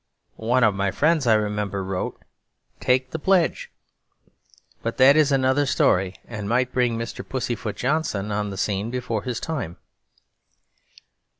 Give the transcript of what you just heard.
One of my friends, I remember, wrote, 'Take the pledge.' But that is another story, and might bring Mr. Pussyfoot Johnson on the scene before his time.